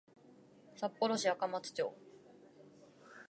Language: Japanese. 札幌市赤松町